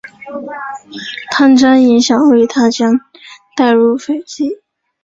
汤加的影响为他将波利尼西亚的习俗和一些语言带入斐济。